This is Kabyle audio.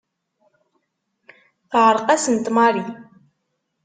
Teɛreq-asent Mary.